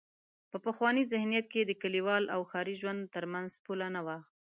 په پخواني ذهنیت کې د کلیوال او ښاري ژوند تر منځ پوله نه وه.